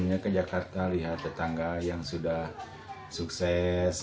saya ingin ke jakarta lihat tetangga yang sudah sukses